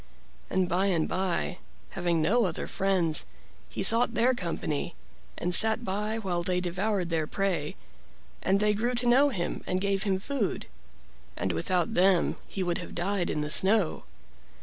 And by and by, having no other friends, he sought their company, and sat by while they devoured their prey, and they grew to know him and gave him food. And without them he would have died in the snow.